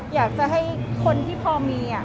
อยากจะให้คนที่พอมี